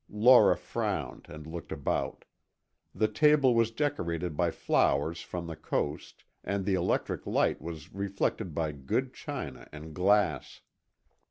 Laura frowned and looked about. The table was decorated by flowers from the coast, and the electric light was reflected by good china and glass.